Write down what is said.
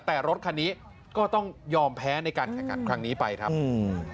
แต่รถคันนี้ก็ต้องยอมแพ้ในการแข่งขันครั้งนี้ไปครับอืม